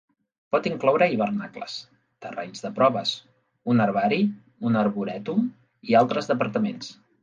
Pot incloure hivernacles, terrenys de proves, un herbari, un arborètum i altres departaments.